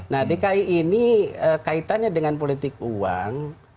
nah dki ini kaitannya dengan politik uang